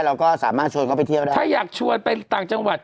เราก็สามารถชวนเขาไปเที่ยวได้ถ้าอยากชวนไปต่างจังหวัด